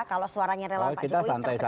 kalau suaranya relawan pak jokowi terkenal